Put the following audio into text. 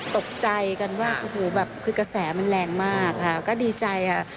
ตกใจกันว่าโอ้โหแบบคือกระแสมันแรงมากค่ะก็ดีใจค่ะ